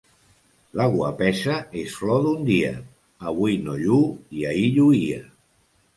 La guapesa és flor d'un dia: avui no lluu i ahir lluïa.